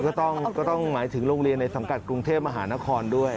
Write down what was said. ก็ต้องหมายถึงโรงเรียนในสังกัดกรุงเทพมหานครด้วย